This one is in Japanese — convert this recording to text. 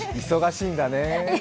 忙しいんだね。